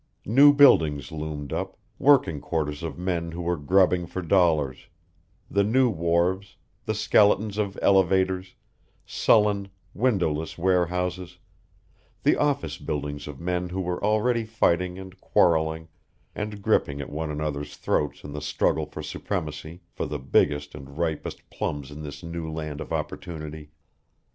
New buildings loomed up working quarters of men who were grubbing for dollars, the new wharves, the skeletons of elevators, sullen, windowless warehouses, the office buildings of men who were already fighting and quarreling and gripping at one another's throats in the struggle for supremacy, for the biggest and ripest plums in this new land of opportunity.